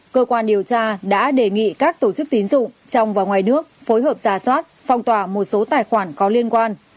cơ quan điều tra đã đề nghị các tổ chức tín dụng trong và ngoài nước phối hợp giả soát phong tỏa một số tài khoản có liên quan